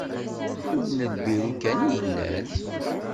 Yiwen n lbiru kan i yellan.